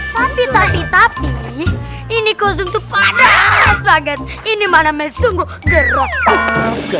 tapi tapi tapi ini kosum tuh padahal spaget ini manamen sungguh gerak